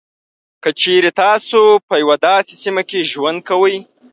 که چېري تاسو په یوه داسې سیمه کې ژوند کوئ.